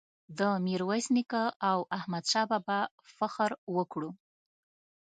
د میرویس نیکه او احمد شاه بابا فخر وکړو.